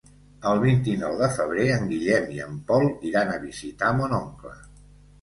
El vint-i-nou de febrer en Guillem i en Pol iran a visitar mon oncle.